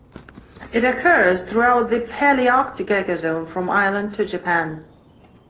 It occurs throughout the Palearctic ecozone from Ireland to Japan.